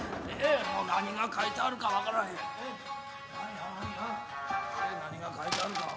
何やろな何が書いてあるか分からへん。